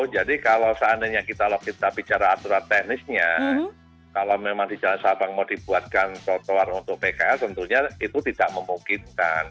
jadi kalau seandainya kita logis tapi cara aturan teknisnya kalau memang di jalan sabang mau dibuatkan trotoar untuk pkl tentunya itu tidak memungkinkan